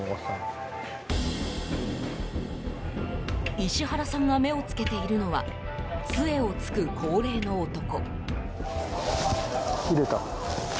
石原さんが目をつけているのは杖をつく高齢の男。